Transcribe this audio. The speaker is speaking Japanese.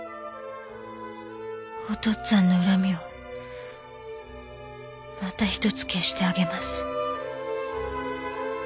お父っつぁんの恨みをまた一つ消してあげます。